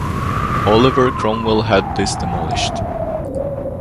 Oliver Cromwell had this demolished.